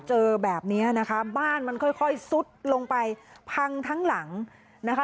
เจอแบบนี้นะคะบ้านมันค่อยซุดลงไปพังทั้งหลังนะคะ